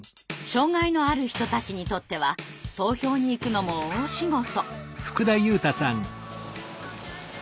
障害のある人たちにとっては投票に行くのも大仕事。